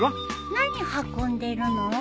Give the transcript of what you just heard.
何運んでるの？